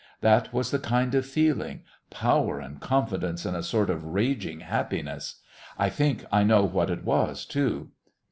That was the kind of feeling power and confidence and a sort of raging happiness. I think I know what it was too.